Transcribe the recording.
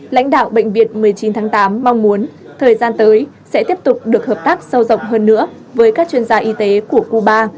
lãnh đạo bệnh viện một mươi chín tháng tám mong muốn thời gian tới sẽ tiếp tục được hợp tác sâu rộng hơn nữa với các chuyên gia y tế của cuba